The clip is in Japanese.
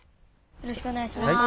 よろしくお願いします。